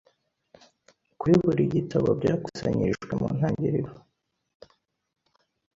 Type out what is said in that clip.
kuri buri gitabo byakusanyirijwe mu ntangiriro